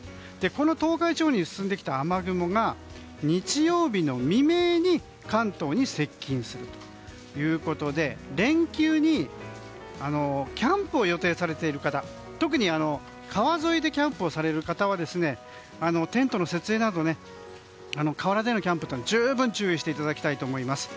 この東海地方に進んできた雨雲が日曜日の未明に関東に接近するということで連休にキャンプを予定されている方特に川沿いでキャンプをされる方はテントの設営など河原でのキャンプには十分注意していただきたいと思います。